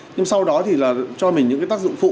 nhưng sau đó thì là cho mình những cái tác dụng phụ